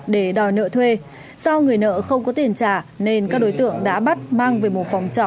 để đòi nợ thuê do người nợ không có tiền trả nên các đối tượng đã bắt mang về một phòng trọ